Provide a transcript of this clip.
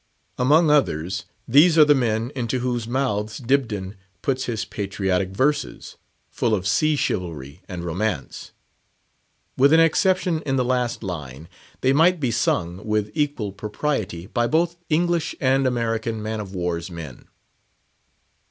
Among others, these are the men into whose mouths Dibdin puts his patriotic verses, full of sea chivalry and romance. With an exception in the last line, they might be sung with equal propriety by both English and American man of war's men.